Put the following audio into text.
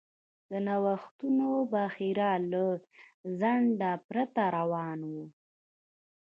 د نوښتونو بهیر له ځنډ پرته روان و.